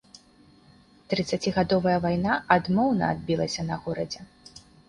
Трыццацігадовая вайна адмоўна адбілася на горадзе.